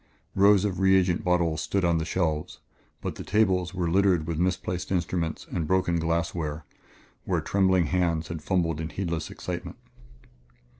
Rows of reagent bottles stood on the shelves, but the tables were a litter of misplaced instruments and broken glassware where trembling hands had fumbled in heedless excitement.